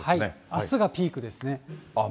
あすがピークですね。